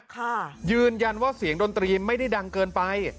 ค่ะยืนยันว่าเสียงดนตรีไม่ได้ดังเกินไป